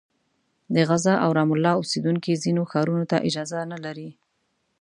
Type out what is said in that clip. د غزه او رام الله اوسېدونکي ځینو ښارونو ته اجازه نه لري.